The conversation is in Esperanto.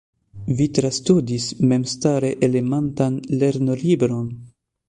Vi trastudis memstare elementan lernolibron.